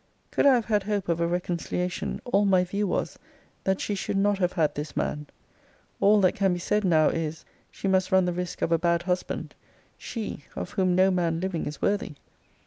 Could I have had hope of a reconciliation, all my view was, that she should not have had this man. All that can be said now, is, she must run the risk of a bad husband: she of whom no man living is worthy!